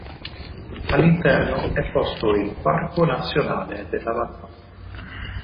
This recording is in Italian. All'interno è posto il Parco nazionale della Vanoise.